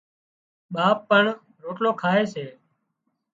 ٻاپ پڻ روٽلو کائي سي